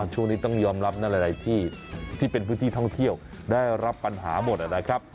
ช่วงนี้ต้องยอมรับนะหลายที่เป็นพื้นที่ท่องเที่ยวได้รับปัญหาหมดนะครับ